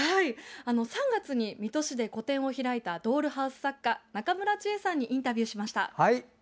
３月に水戸市で個展を開いたドールハウス作家中村智恵さんにインタビューしました。